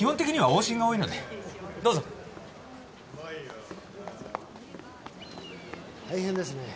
大変ですね。